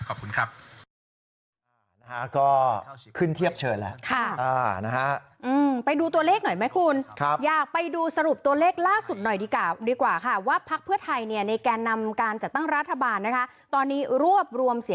ขอบคุณครับ